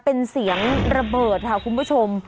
เป็นเสียงระเบิดค่ะคุณผู้ชม